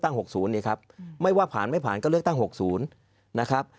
ตั้งหกศูนย์ครับไม่ว่าผ่านไม่ผ่านก็เลือกตั้งหกศูนย์นะ